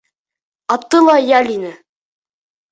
Аты ла йәл ине.